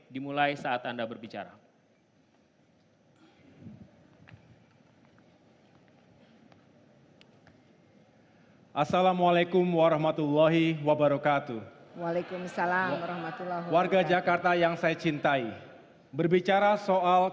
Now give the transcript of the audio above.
dimulai saat anda berbicara